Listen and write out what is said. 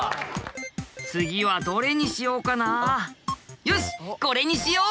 次はどれにしようかなよしこれにしよう！